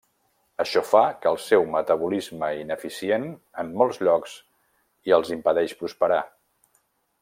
Això fa que el seu metabolisme ineficient en molts llocs i els impedeix prosperar.